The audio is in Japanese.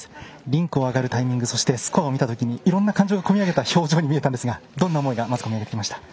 リンクを上がるタイミングそしてスコアを見たときにいろんな感情が込み上げた表情に見えたんですがどんな思いが込み上げてきましたか？